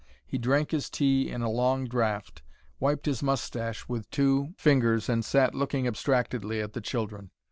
He drank his tea in a long draught, wiped his moustache with two fingers, and sat looking abstractedly at the children.